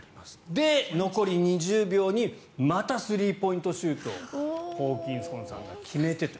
で、残り２０秒にまたスリーポイントホーキンソンさんが決めてと。